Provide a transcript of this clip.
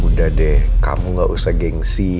udah deh kamu gak usah gengsi